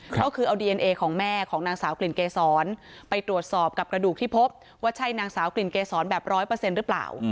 ก็คือเอาดีเอ็นเอของแม่ของนางสาวกลิ่นเกษรไปตรวจสอบกับกระดูกที่พบว่าใช่นางสาวกลิ่นเกษรแบบร้อยเปอร์เซ็นต์หรือเปล่า